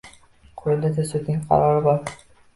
Qo`lida sudning qarori bor